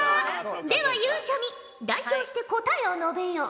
ではゆうちゃみ代表して答えを述べよ。